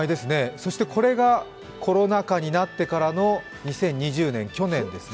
そして、これがコロナ禍になってからの２０２０年、去年ですね。